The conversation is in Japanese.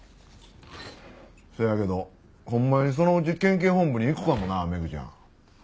そやけどほんまにそのうち県警本部に行くかもなメグちゃん。